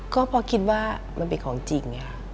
ก็เพราะคิดว่ามันเป็นของจริงค่ะ